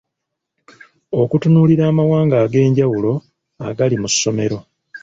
Okutunuulira amawanga ag’enjawulo agali mu ssomero.